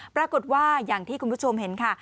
ปรากฏว่าอย่างที่คุณผู้ชมเห็นค่ะ